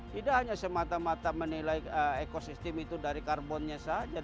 tidak hanya semata mata menilai ekosistem itu dari karbonnya saja